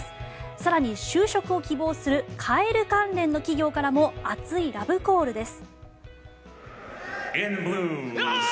更に就職を希望するカエル関連の企業からも熱いラブコールです。